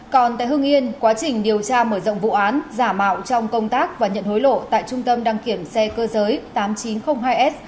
còn tại hưng yên quá trình điều tra mở rộng vụ án giả mạo trong công tác và nhận hối lộ tại trung tâm đăng kiểm xe cơ giới tám nghìn chín trăm linh hai s